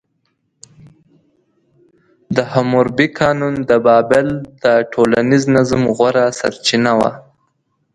د حموربي قانون د بابل د ټولنیز نظم غوره سرچینه وه.